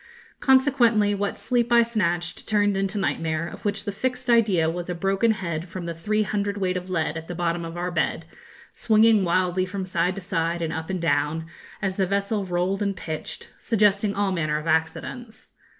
Consequently, what sleep I snatched turned into nightmare, of which the fixed idea was a broken head from the three hundredweight of lead at the bottom of our bed, swinging wildly from side to side and up and down, as the vessel rolled and pitched, suggesting all manner of accidents.